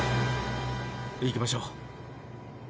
行きましょう。